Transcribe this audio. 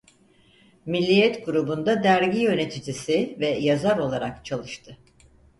Milliyet Grubu'nda dergi yöneticisi ve yazar olarak çalıştı.